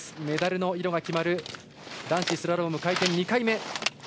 メダルの色が決まる男子スラローム回転２回目。